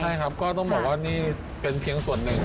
ใช่ครับก็ต้องบอกว่านี่เป็นเพียงส่วนหนึ่ง